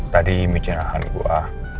tadi micin rahan gua